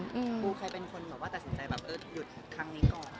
ครูใครเป็นคนแบบว่าตัดสินใจแบบเออหยุดครั้งนี้ก่อน